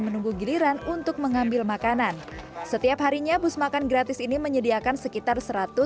menunggu giliran untuk mengambil makanan setiap harinya bus makan gratis ini menyediakan sekitar